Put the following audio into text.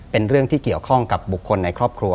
เป็นเรื่องที่เกี่ยวข้องกับบุคคลในครอบครัว